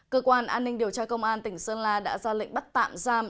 cơ quan an ninh điều tra công an tỉnh sơn la đã ra lệnh bắt tạm giam